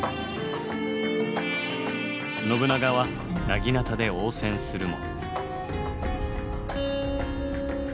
信長はなぎなたで応戦するも。